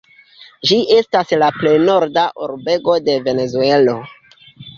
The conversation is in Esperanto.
Ĝi estas la plej norda urbego de Venezuelo.